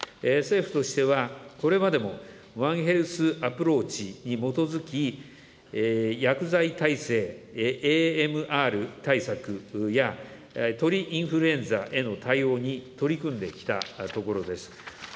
政府としては、これまでもワンヘルスアプローチに基づき、薬剤耐性・ＡＭＲ対策や鳥インフルエンザへの対応に取り組んできたところです。